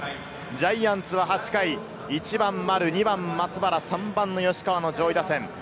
ジャイアンツは８回、１番・丸、２番・松原、３番の吉川の上位打線。